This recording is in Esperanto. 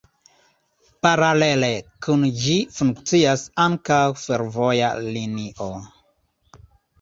Paralele kun ĝi funkcias ankaŭ fervoja linio.